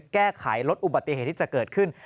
ก็คือแก้ขายลดอุบัติเหตุที่จะเกิดขึ้น